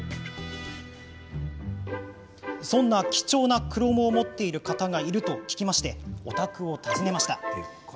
そんな貴重なクロモを持っている方がいると聞きお宅を訪ねました。